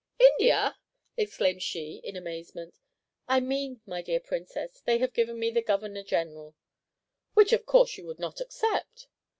"India!" exclaimed she, in amazement. "I mean, my dear Princess, they have given me the Governor Generalship." "Which, of course, you would not accept."